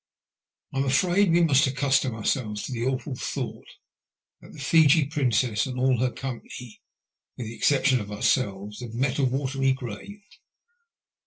I'm afraid we must accustom our selves to the awful thought that the Fiji Princess and all her company, with the exception of ourselves, have met a watery grave.